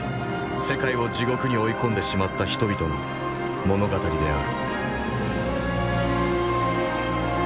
世界を地獄に追い込んでしまった人々の物語である。